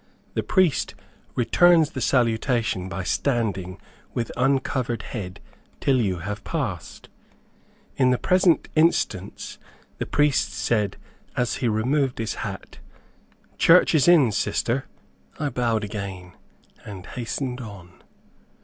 The priest returns the salutation by standing with uncovered head till you have passed. In the present instance, the priest said, as he removed his hat, "Church is in, Sister." I bowed again, and hastened on.